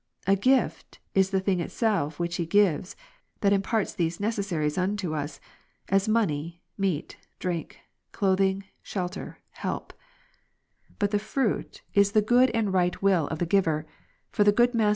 A gift, is the thing itself which he gives, that imparts these necessaries unto us ; as money, meat, drink, clothing, shelter, help : but tlnQ fruit, is the good and right *" Anyniaysufferwant.